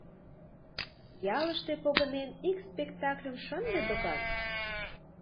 Ялыште, погынен, ик спектакльым шынде докан.